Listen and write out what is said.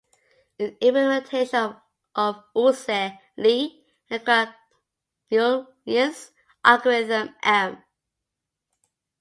An implementation of Oukseh Lee and Kwagkeun Yi's Algorithm M